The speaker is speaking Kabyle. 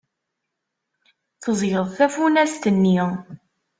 Teẓẓgeḍ tafunast-nni.